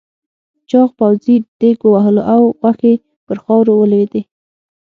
چاغ پوځي دېگ ووهلو او غوښې پر خاورو ولوېدې.